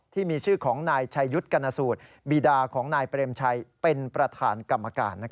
ที่มีชื่อของนายชัยยุทธ์กรณสูตรบีดาของนายเปรมชัยเป็นประธานกรรมการ